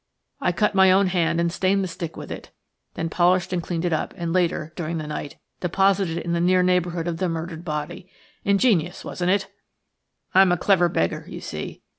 I cut my own hand and stained the stick with it, then polished and cleaned it up, and later, during the night, deposited it in the near neighbourhood of the murdered body. Ingenious, wasn't it? I am a clever beggar, you see.